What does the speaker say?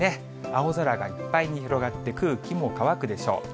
青空がいっぱいに広がって、空気も乾くでしょう。